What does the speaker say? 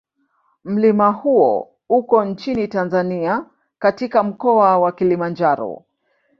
Mlima huo uko nchini Tanzania katika Mkoa wa Kilimanjaro.